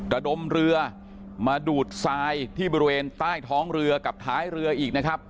ระดมเรือมาดูดทรายที่บริเวณใต้ท้องเรือกับท้ายเรืออีกนะครับ